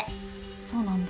そうなんだ。